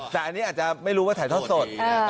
แต่อันนี้อาจจะไม่รู้ว่าถ่ายทอดสด